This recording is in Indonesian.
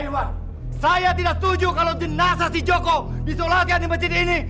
wah saya tidak setuju kalau jenazah si joko disolatkan di masjid ini